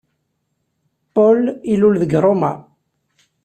Paul ilul deg Roma.